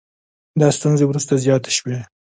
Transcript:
دا ستونزې وروسته زیاتې شوې